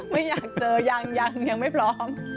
ไม่อยากเจอยังยังไม่พร้อม